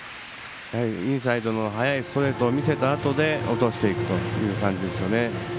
インサイドの速いストレートを見せたあとで落としていくという感じですね。